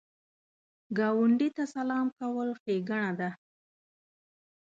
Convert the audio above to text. ګاونډي ته سلام کول ښېګڼه ده